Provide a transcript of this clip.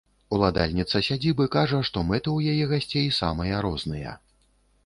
Уладальніца сядзібы кажа, што мэты ў яе гасцей самыя розныя.